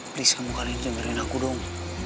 please kamu kali ini jangan berinaku dong